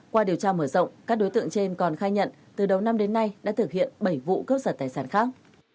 qua điều tra mở rộng các đối tượng trên còn khai nhận từ đầu năm đến nay đã thực hiện bảy vụ cướp giật tài sản khác